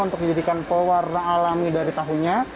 untuk dijadikan pewarna alami dari tahunya